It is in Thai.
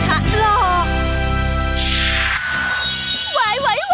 ไหว